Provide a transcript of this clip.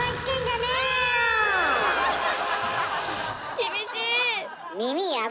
厳しい！